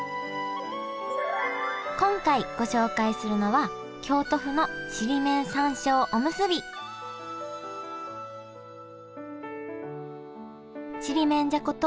今回ご紹介するのはちりめんじゃこと